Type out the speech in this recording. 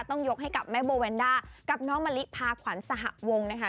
ต้องยกให้กับแม่โบแวนด้ากับน้องมะลิพาขวัญสหวงนะคะ